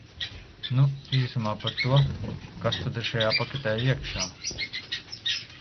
Nu, īsumā par to, kas tad ir šajā paketē iekšā.